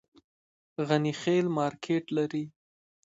غني خیل مارکیټ لري؟